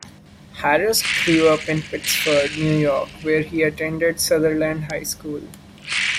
Harris grew up in Pittsford, New York, where he attended Sutherland High School.